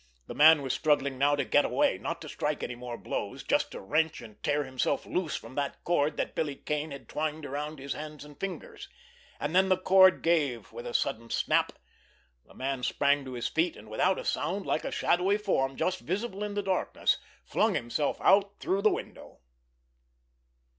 The man was struggling now to get away, not to strike any more blows, just to wrench and tear himself loose from that cord that Billy Kane had twined around his hands and fingers. And then the cord gave with a sudden snap, the man sprang to his feet, and, without a sound, like a shadowy form just visible in the darkness, flung himself out through the window.